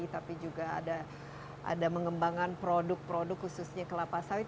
tapi juga ada mengembangkan produk produk khususnya kelapa sawit